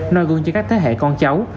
nôi gương cho các thế hệ con cháu